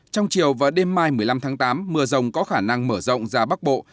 trong chiều và đêm mai một mươi năm tháng tám mưa rông có khả năng mở rộng ra bắc bộ